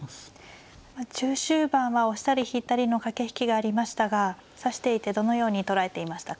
中終盤は押したり引いたりの駆け引きがありましたが指していてどのように捉えていましたか。